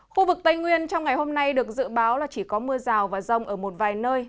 khu vực tây nguyên trong ngày hôm nay được dự báo là chỉ có mưa rào và rông ở một vài nơi